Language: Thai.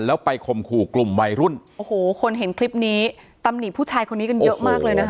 อ๋อเจ้าสีสุข่าวของสิ้นพอได้ด้วย